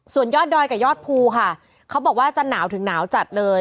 ส่วนยอดดอยกับยอดภูค่ะเขาบอกว่าจะหนาวถึงหนาวจัดเลย